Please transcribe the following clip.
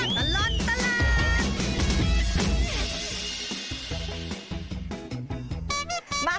ช่วงตลอดตลาด